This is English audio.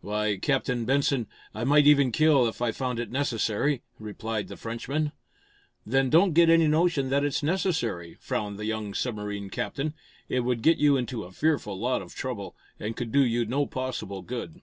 "Why, Captain Benson, I might even kill, if I found it necessary," replied the Frenchman. "Then don't get any notion that it's necessary," frowned the young submarine captain. "It would get you into a fearful lot of trouble, and could do you no possible good."